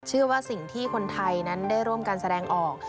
เชื่อว่าสิ่งที่คนไทยนั้นได้ร่วมกันแสดงออก